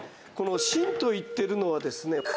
この芯といっているのはですね